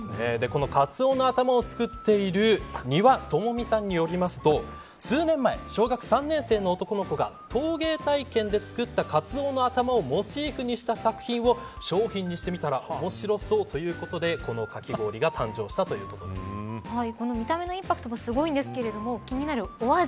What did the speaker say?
このかつおのあたまを作っている丹羽智美さんによりますと数年前、小学３年生の男の子が陶芸体験で作ったかつおの頭をモチーフにした作品を商品にしてみたら面白そうということでこのかき氷が誕生したこの見た目のインパクトもすごいんですけど気になるお味。